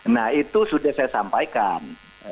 nah itu sudah saya sampaikan